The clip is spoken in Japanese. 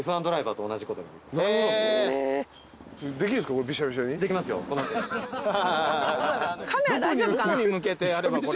どこに向けてやればこれ。